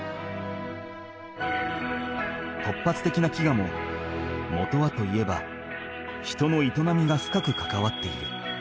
突発的な飢餓ももとはといえば人の営みが深くかかわっている。